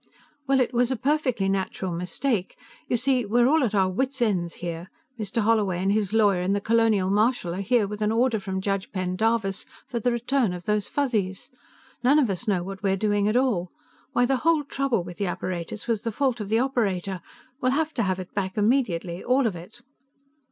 "Well, it was a perfectly natural mistake. You see, we're all at our wits' end here. Mr. Holloway and his lawyer and the Colonial Marshal are here with an order from Judge Pendarvis for the return of those Fuzzies. None of us know what we're doing at all. Why the whole trouble with the apparatus was the fault of the operator. We'll have to have it back immediately, all of it."